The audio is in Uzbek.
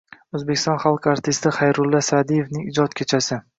O‘zbekiston xalq artisti Xayrulla Sa’diyevning ijodiy kechasi